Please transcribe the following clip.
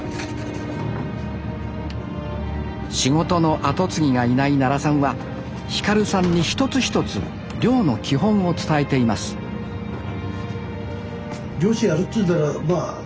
仕事の後継ぎがいない奈良さんは輝さんに一つ一つ漁の基本を伝えています漁師やるっつうんならまあ